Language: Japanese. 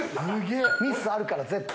ミスあるから絶対。